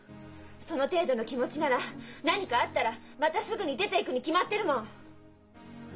その程度の気持ちなら何かあったらまたすぐに出ていくに決まってるもん！